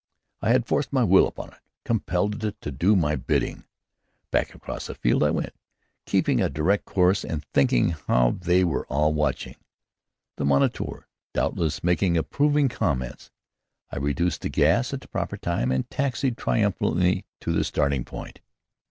I had forced my will upon it, compelled it to do my bidding! Back across the field I went, keeping a direct course, and thinking how they were all watching, the moniteur, doubtless, making approving comments. I reduced the gas at the proper time, and taxied triumphantly up to the starting point.